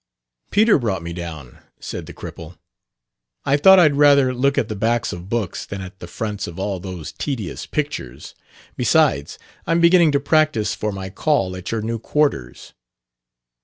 "Peter brought me down," said the cripple. "I thought I'd rather look at the backs of books than at the fronts of all those tedious pictures. Besides, I'm beginning to practice for my call at your new quarters."